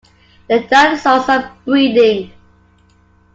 The dinosaurs are breeding!